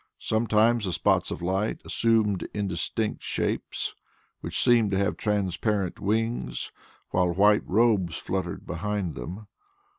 Sometimes the spots of light assumed indistinct shapes which seemed to have transparent wings, while white robes fluttered behind them.